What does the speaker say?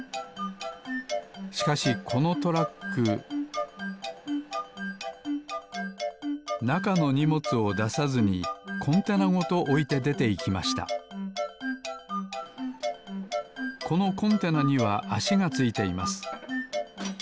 しかしこのトラックなかのにもつをださずにコンテナごとおいてでていきましたこのコンテナにはあしがついています。